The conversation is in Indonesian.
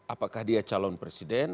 apakah dia calon presiden